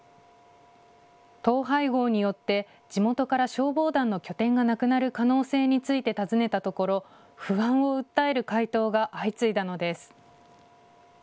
統廃合によって地元から消防団の拠点がなくなる可能性について尋ねたところ、不安を訴える回答が相次いだのです。